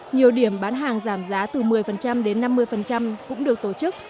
nhiều điểm bán hàng giảm giá từ một mươi đến năm mươi cũng được tổ chức